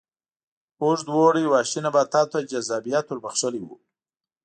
اوږد اوړي وحشي نباتاتو ته جذابیت ور بخښلی و.